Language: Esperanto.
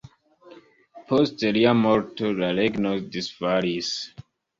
Post lia morto la regno disfalis.